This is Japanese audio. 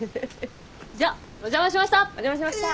じゃお邪魔しました。